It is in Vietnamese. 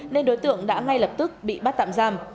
nên đối tượng đã ngay lập tức bị bắt tạm giam